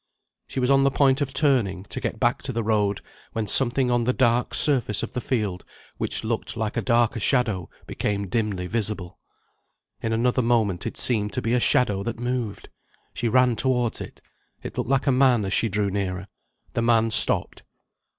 She was on the point of turning, to get back to the road, when something on the dark surface of the field, which looked like a darker shadow, became dimly visible. In another moment it seemed to be a shadow that moved. She ran towards it. It looked like a man as she drew nearer. The man stopped.